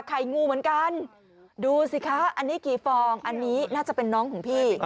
ไข่งูเหมือนกันดูสิคะอันนี้กี่ฟองอันนี้น่าจะเป็นน้องของพี่